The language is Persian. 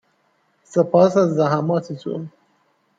سپاس از زحماتتون